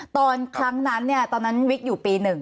ตอนครั้งนั้นตอนนั้นวิกอยู่ปี๑